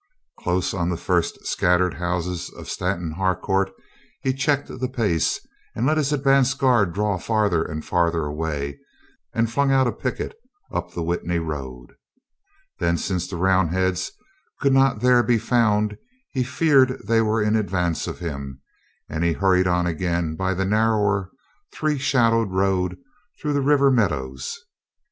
Close on the first scat tered houses of Stanton Harcourt he checked the pace and let his advance guard draw farther and farther away and flung out a picket up the Witney road. Then since the Roundheads could not there be found he feared they were in advance of him, and he hurried on again by the narrower, three shadowed road through the river meadows.